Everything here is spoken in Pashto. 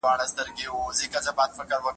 زبیر